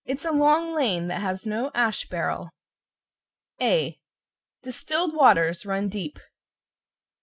It's a long lane that has no ashbarrel. A Distilled waters run deep.